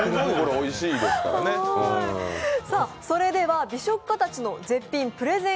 それでは美食家たちの絶品プレゼン